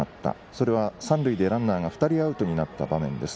それは三塁でランナーが２人アウトになった場面です。